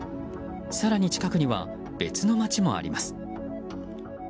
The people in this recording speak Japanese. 更に近くには、別の街もあります。